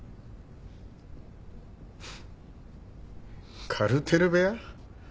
フッカルテル部屋？